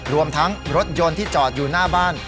รวมทั้งรถยนต์ที่จอดอยู่หน้าบ้าน